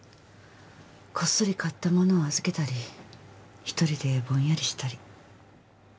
こっそり買った物を預けたり一人でぼんやりしたり。